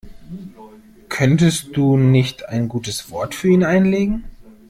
Könntest du nicht ein gutes Wort für ihn einlegen?